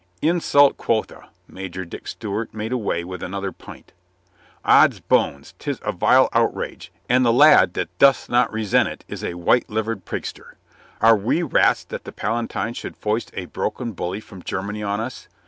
"Insult, quotha !" Major Dick Stewart made away with another pint. "Ods bones, 'tis a vile outrage, and the lad that doth not resent it is a white livered prigpter. Are we rats that the Palatine should foist a broken bully from Germany on us